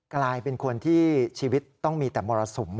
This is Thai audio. กลายเป็นคนที่ชีวิตต้องมีแต่มรสุม